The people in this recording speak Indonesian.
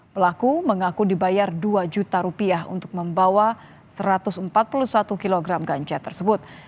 pelaku mengaku dibayar dua juta rupiah untuk membawa satu ratus empat puluh satu kg ganja tersebut